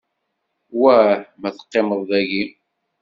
Wah ma teqqimeḍ dayi?